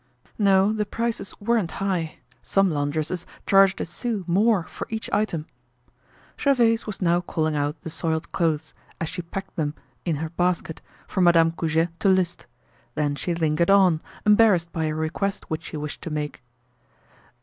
No, the prices weren't high. Some laundresses charged a sou more for each item. Gervaise was now calling out the soiled clothes, as she packed them in her basket, for Madame Goujet to list. Then she lingered on, embarrassed by a request which she wished to make.